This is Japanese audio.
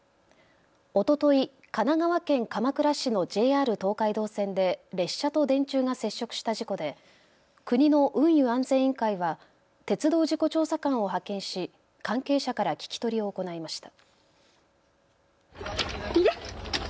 おととい、神奈川県鎌倉市のＪＲ東海道線で列車と電柱が接触した事故で国の運輸安全委員会は鉄道事故調査官を派遣し関係者から聞き取りを行いました。